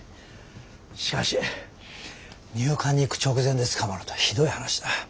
しかし入管に行く直前で捕まるとはひどい話だ。